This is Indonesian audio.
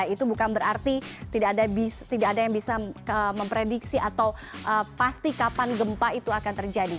itu bukan berarti tidak ada yang bisa memprediksi atau pasti kapan gempa itu akan terjadi